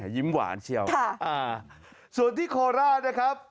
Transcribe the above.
ยิ้มหวานเชียวส่วนที่โคราชนะครับ